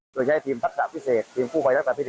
ตัวใช้ทีมพักษาพิเศษทีมคู่ไฟรักษ์ประเภท